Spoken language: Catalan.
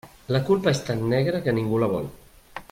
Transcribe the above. La culpa és tan negra que ningú la vol.